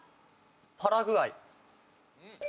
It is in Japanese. パラグアイ。